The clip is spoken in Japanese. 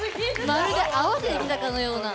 まるで合わせてきたかのような。